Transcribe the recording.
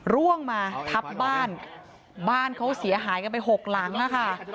ร่วงมาทับบ้านบ้านเขาเสียหายกันไปหกหลังค่ะ